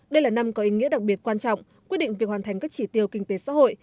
đây là năm có ý nghĩa đặc biệt quan trọng quyết định việc hoàn thành các chỉ tiêu kinh tế xã hội